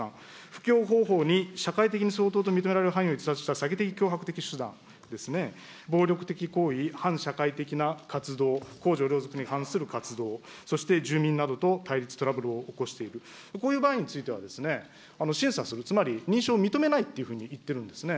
布教方法に社会的に相当と認められる範囲を逸脱した詐欺的、脅迫的手段ですね、暴力的行為、反社会的な活動、公序良俗に関する活動、そして住民などと対立、トラブルを起こしている、こういう場合については、審査する、つまり認証を認めないというふうに言っているんですね。